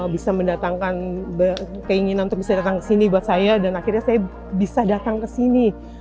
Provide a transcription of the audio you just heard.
bisa mendatangkan keinginan untuk bisa datang ke sini buat saya dan akhirnya saya bisa datang ke sini